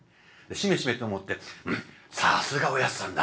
しめしめと思って「うんさすがおやっさんだ。